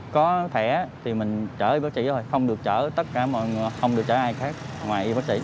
có thẻ thì mình chở y bác sĩ thôi không được chở ai khác ngoài y bác sĩ